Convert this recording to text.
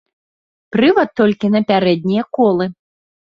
Прывад толькі на пярэднія колы.